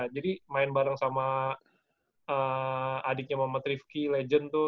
jadi main bareng sama adiknya mama trifki legend tuh